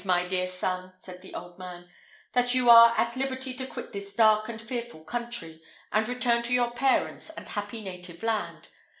my dear son," said the old man, "that you are at liberty to quit this dark and fearful country, and return to your parents and happy native land.